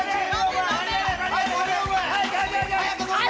はい！